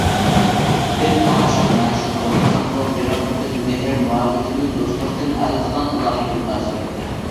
بىز ئاشىق مەشۇق بولمىساقمۇ، بىراق بىز مېھرى مۇھەببىتىمىز دوستلۇقتىن ھالقىغان ئالاھىدە مۇناسىۋەتتە.